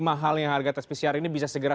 mahalnya harga tes pcr ini bisa segera